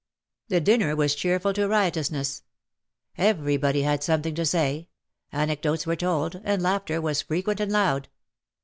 The dinner was cheerful to riotousness. Every body had something to say; anecdotes were told, and laughter was frequent and loud.